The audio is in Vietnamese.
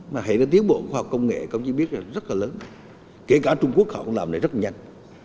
mà hệ thống tiến bộ của khoa học công nghệ công chí biết là rất là lớn kể cả trung quốc họ cũng làm này rất là nhanh